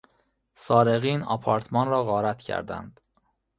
سارقین آپارتمان را غارت کردند.